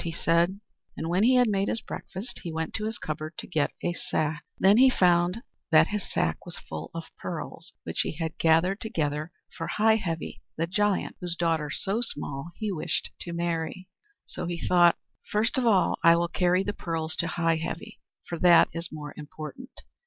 he said. And when he had had his breakfast, he went to his cupboard to get a sack. Then he found that his sack was full of pearls which he had gathered together for Heigh Heavy the Giant, whose daughter So Small he wished to marry. So he thought, "First of all I will carry the pearls to Heigh Heavy, for that is more important."